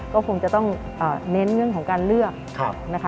ก็คงจะต้องเน้นเรื่องของการเลือกนะคะ